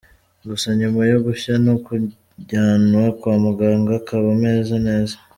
Gusa nyuma yo gushya no kujyanwa kwa muganga akaba ameze neza.